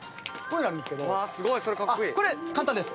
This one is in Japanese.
これ簡単です。